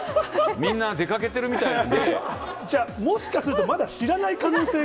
みんな出かけてるみたいなんじゃあ、もしかすると、まだ知らない可能性が。